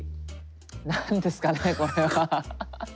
何ですかねこれは。